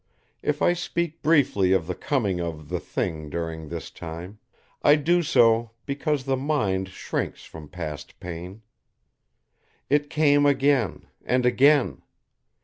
If I speak briefly of the coming of the Thing during this time, I do so because the mind shrinks from past pain. It came again, and again.